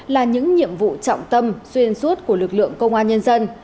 là những nhiệm vụ trọng tâm xuyên suốt của lực lượng công an nhân dân